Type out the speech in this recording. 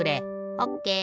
オッケー！